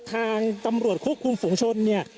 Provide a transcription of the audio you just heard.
ทางตำรวจควบคุมฝุงชนเนี่ย